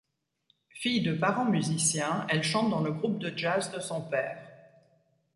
Fille de parents musiciens, elle chante dans le groupe de jazz de son père.